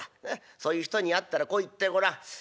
そういう人に会ったらこう言ってごらん。